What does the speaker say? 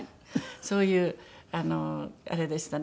そういうあれでしたね。